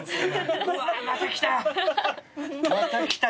「うわまた来た！